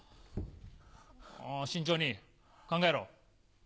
慎重に考えろ。